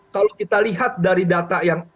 kalau kita lihat dari data yang